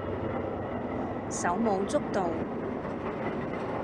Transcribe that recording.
手舞足蹈